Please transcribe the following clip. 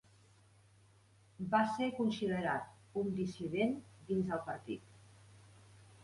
Va ser considerat un dissident dins del partit.